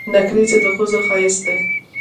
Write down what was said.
نکریزي د ښځو ښایست دي.